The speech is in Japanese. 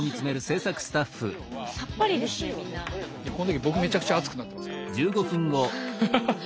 この時僕めちゃくちゃ熱くなってますからねハハハ。